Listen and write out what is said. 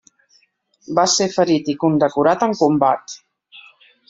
Va ser ferit i condecorat en combat.